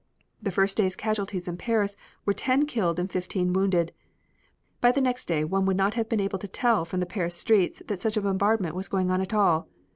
The first day's casualties in Paris were ten killed and fifteen wounded. By the next day one would not have been able to tell from the Paris streets that such a bombardment was going on at all.